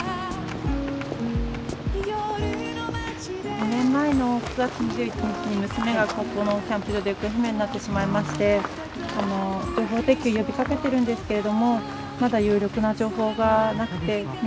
２年前の９月２１日に娘がここのキャンプ場で行方不明になってしまいまして情報提供呼びかけてるんですけれどもまだ有力な情報がなくて見つからないんです。